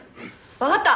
分かった！